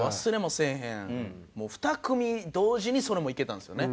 もう２組同時にそれもいけたんですよね。